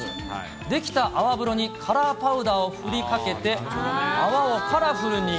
出来た泡風呂にカラーパウダーを振りかけて、泡をカラフルに。